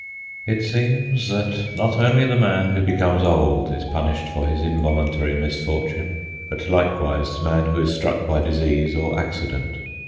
It seems that not only the man who becomes old is punished for his involuntary misfortune, but likewise the man who is struck by disease or accident.